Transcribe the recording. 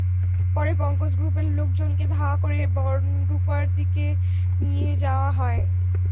পরে পঙ্কজ গ্রুপের লোকজনকে ধাওয়া করে বনরূপার দিকে নিয়ে যাওয়া হয়।